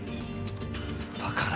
バカな。